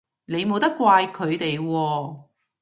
你冇得怪佢哋喎